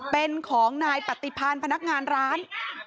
เป็นของนายปฏิพันธ์พนักงานร้าน